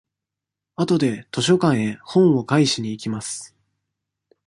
あとで図書館へ本を返しに行きます。